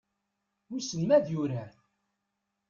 Wissen ma ad yurar?